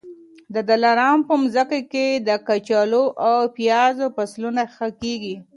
د دلارام په مځکي کي د کچالو او پیازو فصلونه ښه کېږي.